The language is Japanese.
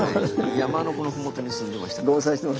山のこのふもとに住んでましたから。